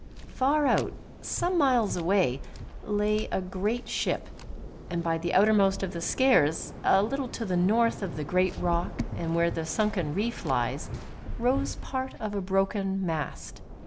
Far out, some miles away, lay a great ship; and by the outermost of the Skares a little to the north of the great rock and where the sunken reef lies, rose part of a broken mast.